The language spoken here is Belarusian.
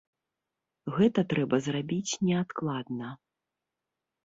Гэта трэба зрабіць неадкладна.